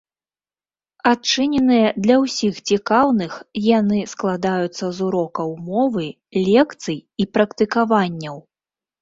Адчыненыя для ўсіх цікаўных, яны складаюцца з урокаў мовы, лекцый і практыкаванняў.